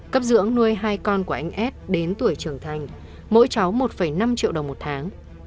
cấp dưỡng nuôi hai con của anh ad đến tuổi trưởng thành mỗi cháu một năm triệu đồng một tháng